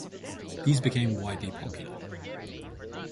These became widely popular.